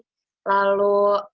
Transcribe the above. yang tidak bisa diproduksi dengan baik